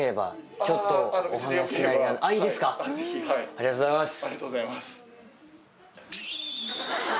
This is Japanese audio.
ありがとうございます。